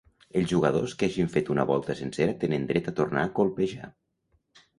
Els jugadors que hagin fet una volta sencera tenen dret a tornar a colpejar.